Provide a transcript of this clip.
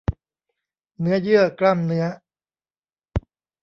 เนื้อเยื่อกล้ามเนื้อ